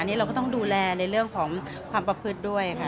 อันนี้เราก็ต้องดูแลในเรื่องของความประพฤติด้วยค่ะ